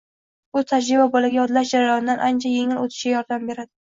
bu tajriba bolaga yodlash jarayonidan ancha yengil o‘tishiga imkon beradi.